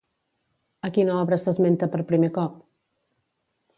A quina obra s'esmenta per primer cop?